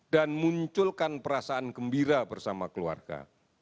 dan munculkan perasaan gembira bersama keluarga